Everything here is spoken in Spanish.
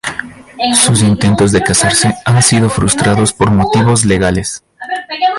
Sus intentos de casarse han sido frustrados por motivos legales.